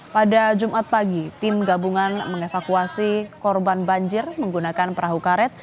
pada jumat pagi tim gabungan mengevakuasi korban banjir menggunakan perahu karet